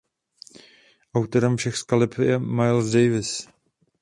Autorem všech skladeb je Miles Davis.